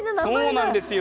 そうなんですよ。